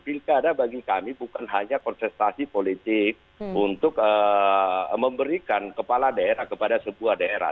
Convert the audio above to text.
pilkada bagi kami bukan hanya kontestasi politik untuk memberikan kepala daerah kepada sebuah daerah